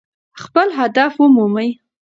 خپل هدف ومومئ.